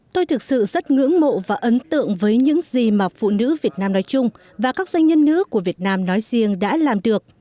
tôi thực sự rất ngưỡng mộ và ấn tượng với những gì mà phụ nữ việt nam nói chung và các doanh nhân nữ của việt nam nói riêng đã làm được